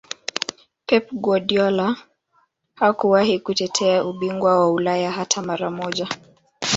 Pep Guardiola hakuwahi kutetea ubingwa wa Ulaya hata mara moja